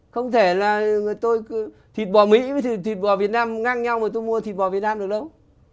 không thể là tôi thịt bò mỹ với thịt bò việt nam ngang nhau mà tôi mua thịt bò việt nam được đâu